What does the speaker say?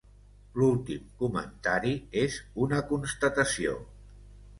L'últim comentari és una constatació.